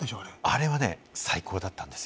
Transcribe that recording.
あれはね、最高だったんです。